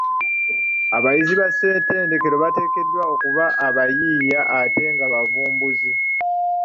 Abayizi ba ssetendekero bateekeddwa okuba abayiiya ate nga bavumbuzi.